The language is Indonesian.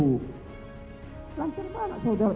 lancar banget saudara